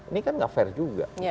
ini kan gak fair juga